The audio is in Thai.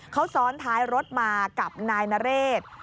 เขาซ้อนท้ายรถมากับนายนเรศ